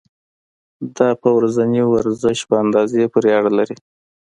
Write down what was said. دا په ورځني ورزش په اندازې پورې اړه لري.